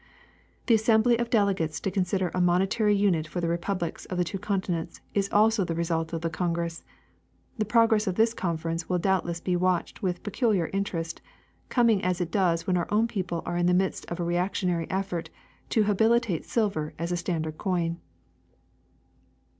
The assembly of delegates to consider a monetary unit for the republics of the two continents is also the result of the congress. The progress of this conference will doubtless be Avatched with peculiar interest, coming as it does when our own people are in the midst of a reactionary effort to hal)ilitate silver as a standard coin.